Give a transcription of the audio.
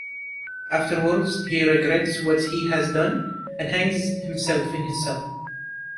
Afterwards he regrets what he has done and hangs himself in his cell.